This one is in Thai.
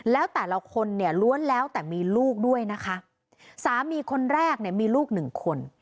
แล้วแต่ละคนเนี่ยล้วนแล้วแต่มีลูกด้วยนะคะสามีคนแรกเนี่ยมีลูกหนึ่งคน